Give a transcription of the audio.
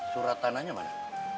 surat tanahnya mana